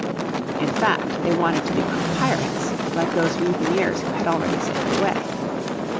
In fact they wanted to become pirates like those mutineers who had already sailed away.